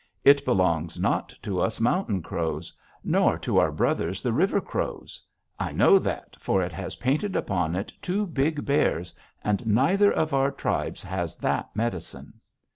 It belongs not to us Mountain Crows, nor to our brothers, the River Crows. I know that, for it has painted upon it two big bears, and neither of our tribes has that medicine.'